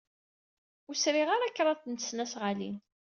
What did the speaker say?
Ur sriɣ ara kraḍt n tesnasɣalin.